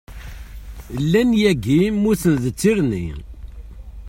Llan yagi mmuten d tirni.